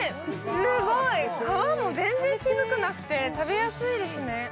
すごい、皮も全然渋くなくて食べやすいですね。